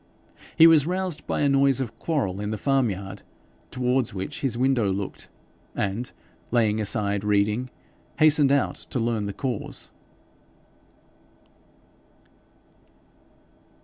He was roused by a noise of quarrel in the farmyard, towards which his window looked, and, laying aside reading, hastened out to learn the cause.